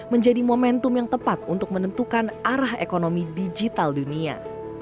menjadi momentum yang tepat untuk menentukan arah ekonomi digital dunia